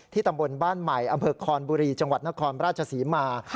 ที่ตำบลบ้านใหม่อำเผิกคอนบุรีจังหวัดนครประราชสีมา